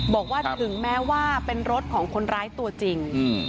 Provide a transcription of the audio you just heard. บอกว่าถึงแม้ว่าเป็นรถของคนร้ายตัวจริง